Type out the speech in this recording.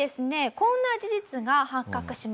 こんな事実が発覚しました。